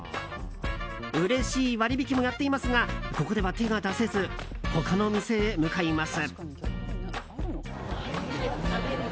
うれしい割引もやっていますがここでは手が出せず他の店へ向かいます。